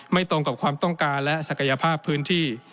ตรงกับความต้องการและศักยภาพพื้นที่